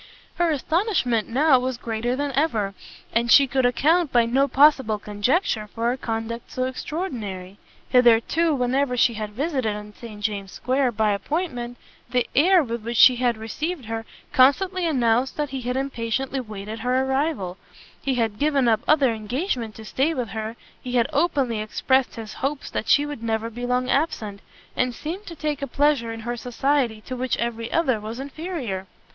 Her astonishment now was greater than ever, and she could account by no possible conjecture for a conduct so extraordinary. Hitherto, whenever she had visited in St James's square by appointment, the air with which he had received her, constantly announced that he had impatiently waited her arrival; he had given up other engagements to stay with her, he had openly expressed his hopes that she would never be long absent, and seemed to take a pleasure in her society to which every other was inferior.